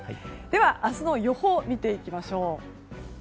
では、明日の予報を見ていきましょう。